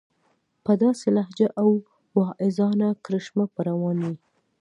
په داسې لهجه او واعظانه کرشمه به روان وي.